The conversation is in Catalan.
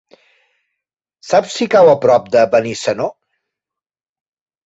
Saps si cau a prop de Benissanó?